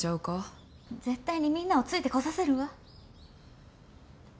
絶対にみんなをついてこさせるわ。